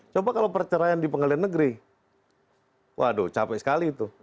coba kalau perceraian di pengadilan negeri waduh capek sekali tuh